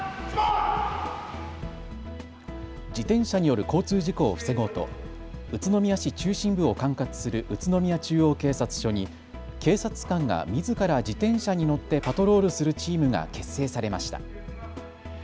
自転車による交通事故を防ごうと宇都宮市中心部を管轄する宇都宮中央警察署に警察官がみずから自転車に乗ってパトロールするチームが結成されました。